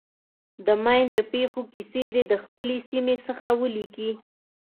د ماین د پېښو کیسې دې د خپلې سیمې څخه ولیکي.